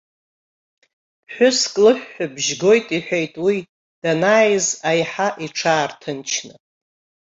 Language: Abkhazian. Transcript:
Ԥҳәыск лыҳәҳәабжь гоит, иҳәеит уи, данааиз аиҳа иҽаарҭынчны.